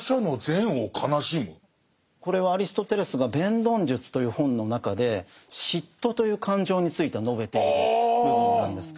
これはアリストテレスが「弁論術」という本の中で嫉妬という感情について述べている部分なんです。